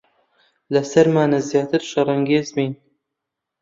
لەسەرمانە زیاتر شەڕانگێز بین.